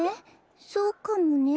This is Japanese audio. そうかもね。